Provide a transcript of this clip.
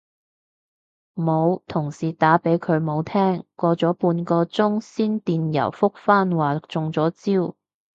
冇，同事打畀佢冇聽，過咗半個鐘先電郵覆返話中咗招